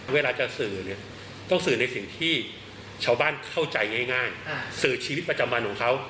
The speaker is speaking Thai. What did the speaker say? เวลาจะสื่อเนี่ยต้องสื่อในสิ่งที่ชาวบ้านเข้าใจง่ายสื่อชีวิตประจำวันของเขา